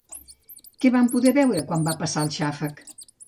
Què van poder veure quan va passar el xàfec?